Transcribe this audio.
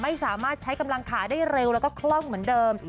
ไม่สามารถใช้กำลังขาได้เร็วแล้วก็คล่องเหมือนเดิม